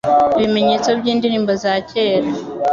Ibimenyetso byindirimbo za kera .